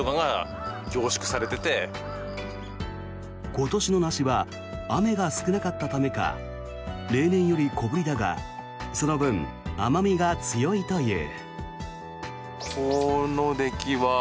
今年の梨は雨が少なかったためか例年より小ぶりだがその分、甘味が強いという。